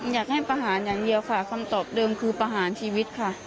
อยากให้ประหารอย่างเดียวค่ะคำตอบเดิมคือประหารชีวิตค่ะ